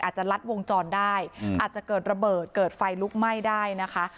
อาจจะลัดวงจรได้อาจจะเกิดระเบิดเกิดไฟลุกไหม้ได้นะคะ